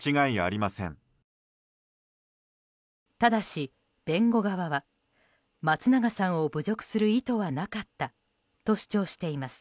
ただし弁護側は松永さんを侮辱する意図はなかったと主張しています。